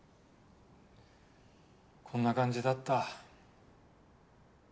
こんな感じだった。